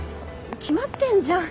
決まってんじゃん。